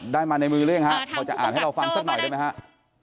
ได้มาในมือหรือยังฮะพอจะอ่านให้เราฟังสักหน่อยได้ไหมครับ